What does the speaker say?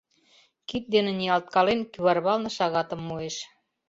Кид дене ниялткален, кӱварвалне шагатым муэш.